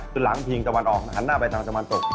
หลังพิงตะวันออกหันหน้าไปทางตะวันตก